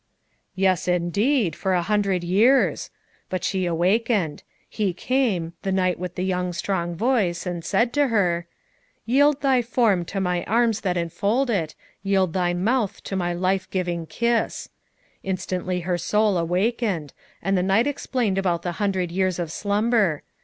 "Yes, indeed, for a hundred years ! But she 174 FOUE MOTHERS AT CHAUTAUQUA awakened. He came, the knight with the young, strong voice, and said to her: " 'Yield thy form to my arms that enfold it, Yield thy mouth to my life giving kiss. ' "Instantly her soul awakened; and the knight explained about the hundred years of slumber.